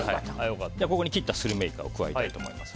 ここに切ったスルメイカを加えたいと思います。